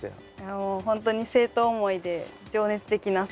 もう本当に生徒思いで情熱的な先生です。